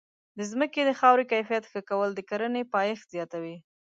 د ځمکې د خاورې کیفیت ښه کول د کرنې پایښت زیاتوي.